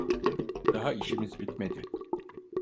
Daha işimiz bitmedi.